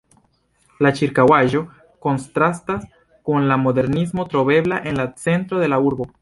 La ĉirkaŭaĵo kontrastas kun la modernismo trovebla en la centro de la urbo.